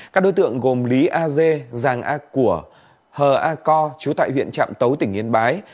các đối tượng gồm lý a dê giàng a của hờ a co chú tại huyện trạm tấu tỉnh yên bái